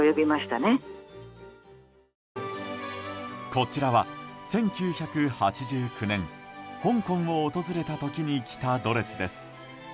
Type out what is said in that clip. こちらは１９８９年香港を訪れた時に着たドレスです。